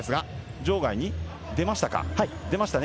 場外に出ましたね。